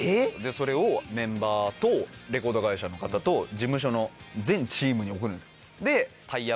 それをメンバーとレコード会社の方と事務所の全チームに送るんですよ。